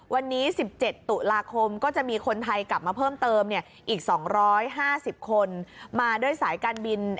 วันนี้๑๗ตุลาคมก็จะมีคนไทยกลับมาเพิ่มเติมอีก๒๕๐คนมาด้วยสายการบิน